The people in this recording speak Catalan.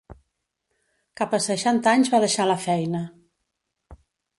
Cap a seixanta anys va deixar la feina.